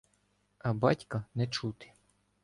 А "батька" не чути.